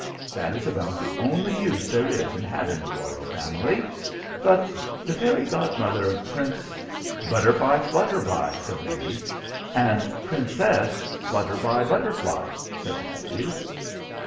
That is about the only use there is in having a royal family. But the fairy godmother of Prince " "Butterflyflutterby," said the niece. "And Princess " "Flutterbybutterfly," said the nephew.